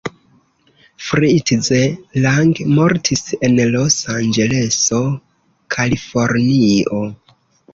Fritz Lang mortis en Los-Anĝeleso, Kalifornio.